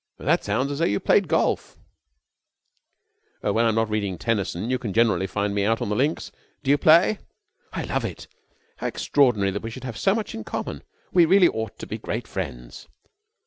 "That sounds as though you played golf." "When I am not reading Tennyson, you can generally find me out on the links. Do you play?" "I love it. How extraordinary that we should have so much in common. We really ought to be great friends."